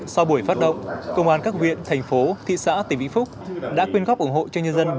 sau buổi phát động công an các huyện thành phố thị xã tỉnh vĩnh phúc đã quyên góp ủng hộ cho nhân dân